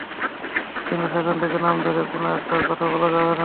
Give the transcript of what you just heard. কিন্তু সেখান থেকে নাম ধরে কোনো একটার কথা বলা যাবে না।